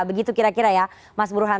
begitu kira kira ya mas burhan